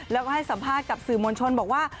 แล้วก็ให้สัมภาษณ์กับสื่อมวลชนบอกว่า